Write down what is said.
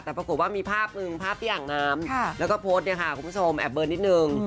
แต่ปรากฏว่ามีภาพหนึ่งภาพที่อ่างน้ำแล้วก็โพสต์เนี่ยค่ะคุณผู้ชมแอบเบอร์นิดนึง